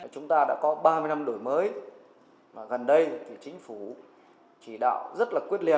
chúng ta đã có ba mươi năm đổi mới mà gần đây thì chính phủ chỉ đạo rất là quyết liệt